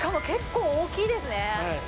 結構、大きいですね。